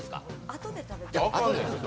あとで食べます。